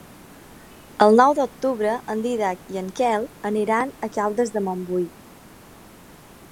El nou d'octubre en Dídac i en Quel aniran a Caldes de Montbui.